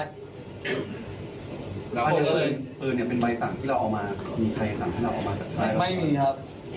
แล้วถ้าเกิดเป็นไฟสั่งที่เราเอามามีใครสั่งให้เราเอามาจากไทยบ้างครับ